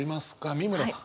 美村さん。